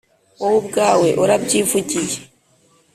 Wowe ubwawe urabyivugiye